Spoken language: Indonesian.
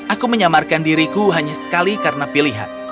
aku menyamarkan diriku hanya sekali karena pilihan